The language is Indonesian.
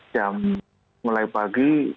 jam mulai pagi